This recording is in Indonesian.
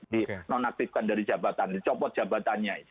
dinonaktifkan dari jabatan dicopot jabatannya